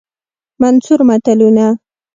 منثور متلونه